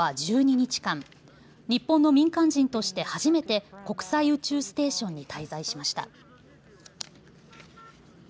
日本の民間人として初めて国際宇宙ステーションに滞在しました。